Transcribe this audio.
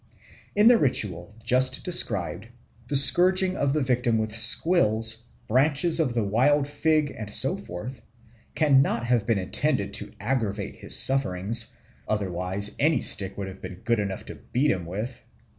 In the ritual just described the scourging of the victim with squills, branches of the wild fig, and so forth, cannot have been intended to aggravate his sufferings, otherwise any stick would have been good enough to beat him with.